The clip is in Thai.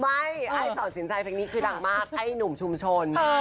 ไอ้ตัดสินใจเพลงนี้คือดังมากไอ้หนุ่มชุมชน